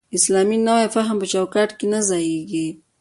اسلامي نوی فهم په چوکاټ کې نه ځایېږي.